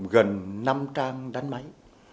gần năm trang đánh máy